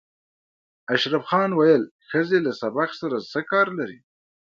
اشرف خان ویل ښځې له سبق سره څه کار لري